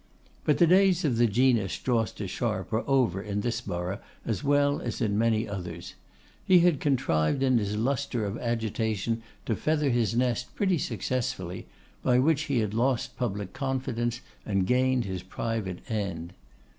But the days of the genus Jawster Sharp were over in this borough as well as in many others. He had contrived in his lustre of agitation to feather his nest pretty successfully; by which he had lost public confidence and gained his private end.